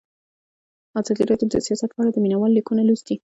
ازادي راډیو د سیاست په اړه د مینه والو لیکونه لوستي.